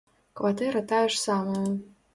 Кватэра тая ж самая.